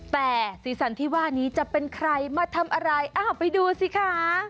แต่สีสันที่ว่านี้จะเป็นใครมาทำอะไรอ้าวไปดูสิคะ